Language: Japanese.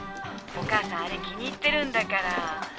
お母さんあれ気に入ってるんだから。